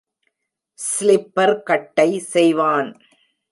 Slipper கட்டை செய்வான்.